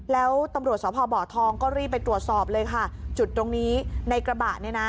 แล้วตำรวจสพบทองก็รีบไปตรวจสอบเลยค่ะจุดตรงนี้ในกระบะเนี่ยนะ